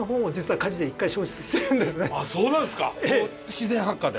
自然発火で？